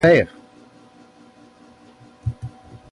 Père!